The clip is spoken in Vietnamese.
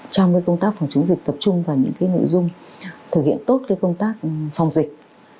trong công tác phòng chống dịch tập trung vào những nội dung thực hiện tốt công tác phòng dịch